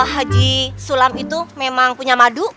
haji sulam itu memang punya madu